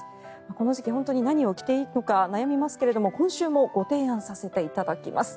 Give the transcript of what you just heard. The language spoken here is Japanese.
この時期本当に何を着ていいのか悩みますけれども、今週もご提案させていただきます。